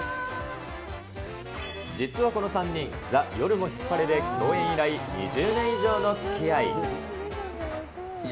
実はこの３人、ＴＨＥ夜もヒッパレで共演以来、２０年以上のつきあい。